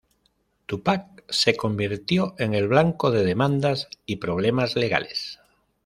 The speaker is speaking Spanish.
Tupac se convirtió en el blanco de demandas y problemas legales.